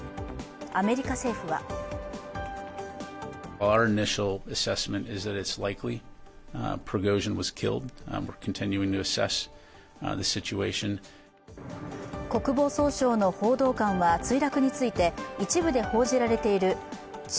アメリカ政府は国防総省の報道官は墜落について一部で報じられている地